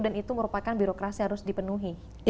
dan itu merupakan birokrasi harus dipenuhi